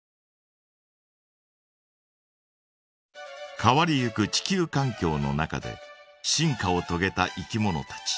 変わりゆく地球かん境の中で進化をとげたいきものたち。